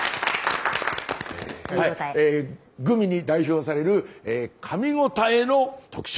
はいグミに代表される「かみごたえ」の特集。